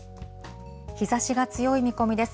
日ざしが強い見込みです。